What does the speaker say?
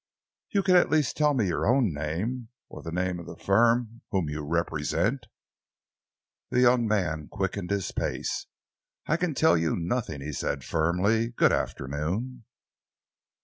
"You can at least tell me your own name, or the name of the firm whom you represent?" The young man quickened his pace. "I can tell you nothing," he said firmly. "Good afternoon!"